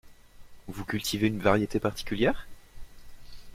Vous cultivez une variété particulière?